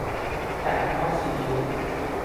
ไก่ทอดซีอิ๊ว